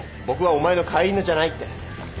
僕はお前の飼い犬じゃないって。